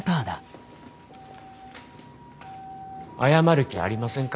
謝る気ありませんから。